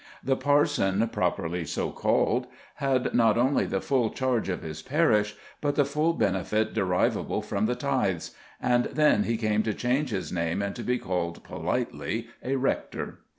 The parson, properly so called, had not only the full charge of his parish, but the full benefit derivable from the tithes; and then he came to change his name and to be called politely a rector.